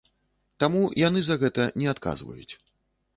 Таму яны за гэта не адказваюць.